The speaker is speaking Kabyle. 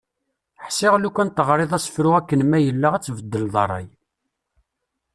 Ḥsiɣ lufan teɣriḍ asefru akken ma yella, ad tbeddleḍ rray.